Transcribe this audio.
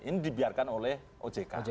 ini dibiarkan oleh ojk